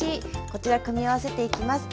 こちら組み合わせていきます。